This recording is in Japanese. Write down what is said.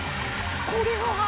これは。